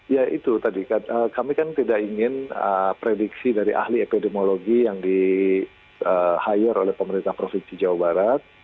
ya itu tadi kami kan tidak ingin prediksi dari ahli epidemiologi yang di hire oleh pemerintah provinsi jawa barat